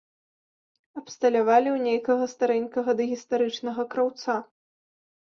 Абсталявалі ў нейкага старэнькага дагістарычнага краўца.